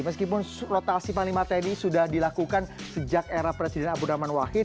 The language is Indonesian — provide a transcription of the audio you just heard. meskipun rotasi panglima tni sudah dilakukan sejak era presiden abdurrahman wahid